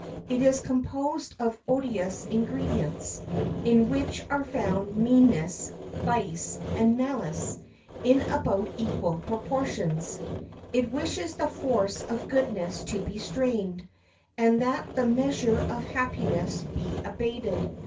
It is composed of odious ingredients, in which are found meanness, vice, and malice, in about equal proportions. It wishes the force of goodness to be strained, and that the measure of happiness be abated.